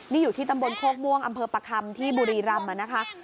นี่อยู่ที่ตำบลโคกม่วงอำเภอประคำที่บุรีรำนะคะ